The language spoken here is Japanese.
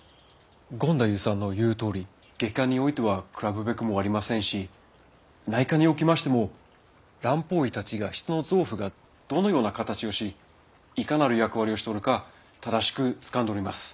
権太夫さんの言うとおり外科においてはくらぶべくもありませんし内科におきましても蘭方医たちは人の臓腑がどのような形をしいかなる役割をしておるか正しくつかんでおります。